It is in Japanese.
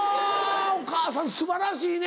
お母さん素晴らしいね。